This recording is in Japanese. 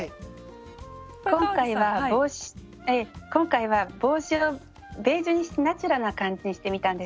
今回は帽子をベージュにしてナチュラルな感じにしてみたんです。